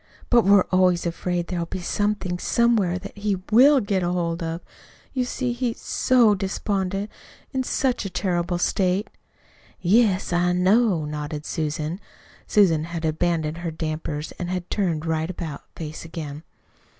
But we're always afraid there'll be somethin' somewhere that he WILL get hold of. You see, he's SO despondent in such a terrible state!" "Yes, I know," nodded Susan. Susan had abandoned her dampers, and had turned right about face again.